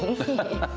ハハハ。